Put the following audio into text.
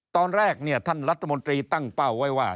ตอนแรกเนี่ยท่านรัฐมนตรีตั้งเป้าไว้ว่า